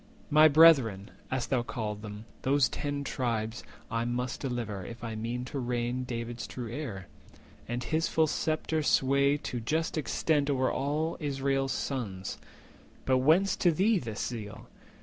My brethren, as thou call'st them, those Ten Tribes, I must deliver, if I mean to reign David's true heir, and his full sceptre sway To just extent over all Israel's sons! But whence to thee this zeal?